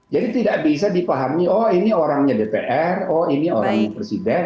jadi tidak bisa dipahami oh ini orangnya dpr oh ini orang presiden